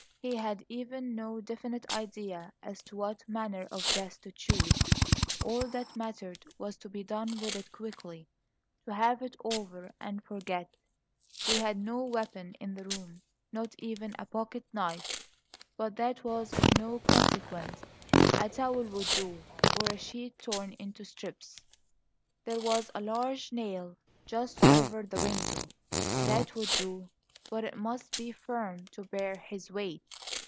He had even no definite idea as to what manner of death to choose; all that mattered was to be done with it quickly to have it over and forget. He had no weapon in the room, not even a pocketknife; but that was of no consequence a towel would do, or a sheet torn into strips. There was a large nail just over the window. That would do; but it must be firm to bear his weight.